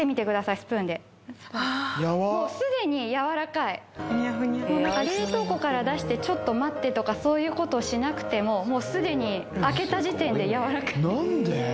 スプーンでもう既にやわらかいフニャフニャ冷凍庫から出してちょっと待ってとかそういうことをしなくても既に開けた時点でやわらかい何で？